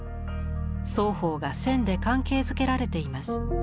双方が線で関係づけられています。